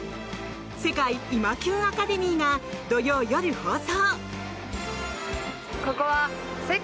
「世界イマキュン☆アカデミー」が土曜夜放送。